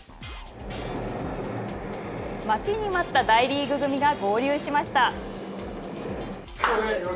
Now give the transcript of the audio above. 待ちに待った大リーグ組が合流しました。